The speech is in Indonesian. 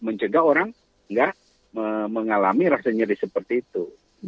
mencegah orang tidak mengalami rasa nyeri seperti itu